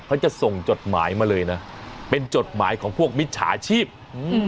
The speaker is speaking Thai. เขาจะส่งจดหมายมาเลยนะเป็นจดหมายของพวกมิจฉาชีพอืม